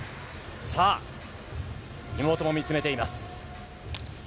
さあ、妹も見つめています。